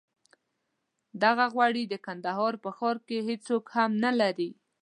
دغه غوړي د کندهار په ښار کې هېڅوک هم نه لري.